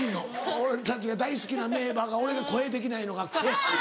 俺たちが大好きな名馬が俺が声できないのが悔しい。